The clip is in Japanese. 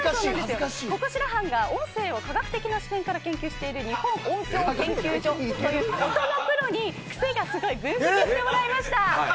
ココ調班が音声を科学的な視点から研究している日本音響研究所という音のプロにクセがスゴいというセリフを分析してもらいました。